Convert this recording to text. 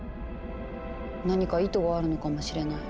何か意図があるのかもしれない。